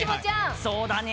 そうだね。